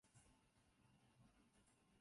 龙华派视其为二祖。